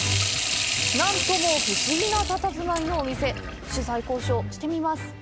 何とも不思議なたたずまいのお店取材交渉してみます。